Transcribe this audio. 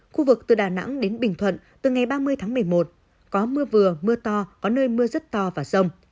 khu vực từ đà nẵng đến bình thuận từ ngày ba mươi tháng một mươi một có mưa vừa mưa to có nơi mưa rất to và rông